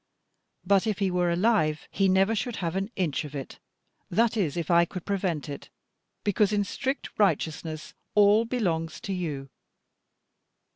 But if he were alive, he never should have an inch of it, that is if I could prevent it; because in strict righteousness all belongs to you.